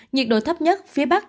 nhiệt độ thấp nhất phía bắc